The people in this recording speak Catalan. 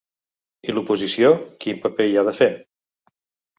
I l’oposició quin paper hi ha de fer?